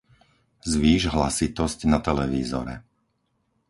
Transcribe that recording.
Zvýš hlasitosť na televízore.